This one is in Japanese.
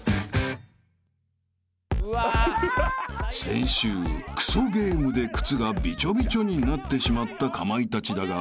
［先週クソゲームで靴がビチョビチョになってしまったかまいたちだが］